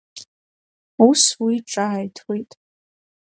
Ус уи ҿааиҭуеит…